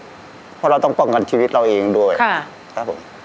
เพราะเราต้องป้องกันชีวิตเราเองด้วยครับผม